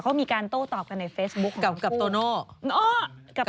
เขามีการโต้ตอบกันในเฟซบุ๊กของเขา